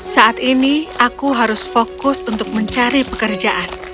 saat ini aku harus fokus untuk mencari pekerjaan